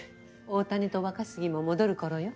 大谷と若杉も戻るころよ。